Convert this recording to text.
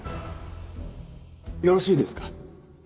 よろしいですか？